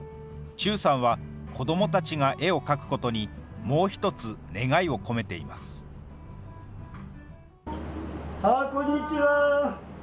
忠さんは子どもたちが絵を描くことにもう一つ、願いを込めてこんにちは。